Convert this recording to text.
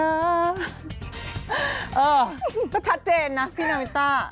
เออก็ชัดเจนนะพี่นาวินต้า